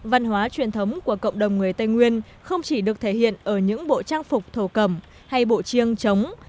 văn hóa truyền thống của cộng đồng người tây nguyên không chỉ được thể hiện ở những bộ trang phục thổ cầm hay bộ chiêng chống